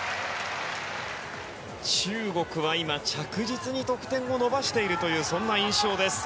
中国は今、着実に得点を伸ばしているというそんな印象です。